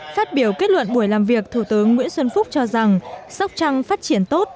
phát biểu kết luận buổi làm việc thủ tướng nguyễn xuân phúc cho rằng sóc trăng phát triển tốt